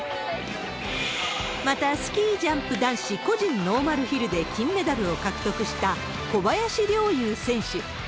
また、スキージャンプ男子個人ノーマルヒルで金メダルを獲得した小林陵侑選手。